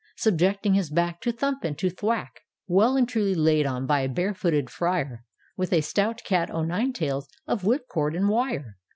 Subjecting his back To thump and to thwack, Well and truly laid on by a bare footed Friar, With a stout cat o' ninctails of whip cord and wire.